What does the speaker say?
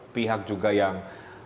pihak juga yang